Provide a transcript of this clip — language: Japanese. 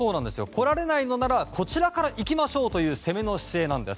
来られないのならこちらから行きましょうという攻めの姿勢なんです。